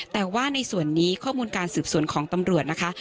แต่ว่าในส่วนนี้ข้อมูลการสืบสวนของตำรวจนะคะ